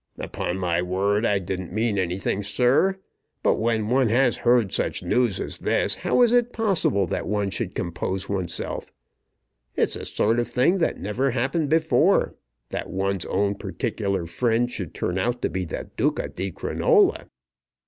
"Upon my word, I didn't mean anything, sir. But when one has heard such news as this, how is it possible that one should compose oneself? It's a sort of thing that never happened before, that one's own particular friend should turn out to be the Duca di Crinola.